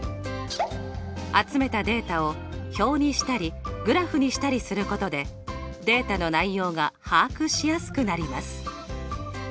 集めたデータを表にしたりグラフにしたりすることでデータの内容が把握しやすくなります。